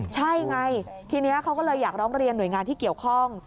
ใช่ไงทีนี้เขาก็เลยอยากร้องเรียนหน่วยงานที่เกี่ยวข้อง